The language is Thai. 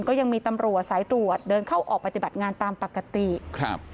ก็ยังมีตำรวจสายตรวจเดินเข้าออกปฏิบัติงานตามปกติครับ